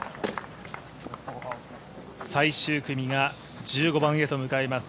最終組が１５番へと向かいます。